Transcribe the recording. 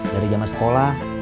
dari zaman sekolah